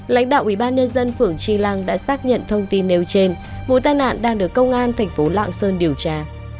lãnh đạo ủy ban nhân dân phưởng tri lăng đã xác nhận thông tin nêu trên vụ tai nạn đang được công an thành phố lạng sơn điều tra